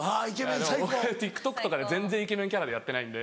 僕ＴｉｋＴｏｋとかで全然イケメンキャラでやってないんで。